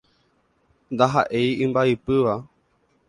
Ndahaʼéi imbaipýva.